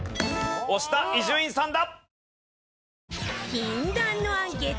押した伊集院さんだ。